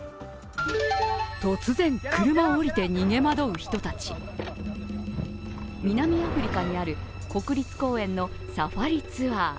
突然、車を降りて逃げ惑う人たち南アフリカにある国立公園のサファリツアー。